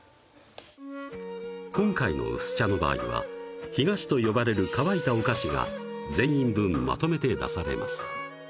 今回の薄茶の場合は干菓子と呼ばれる乾いたお菓子が全員分まとめて出されます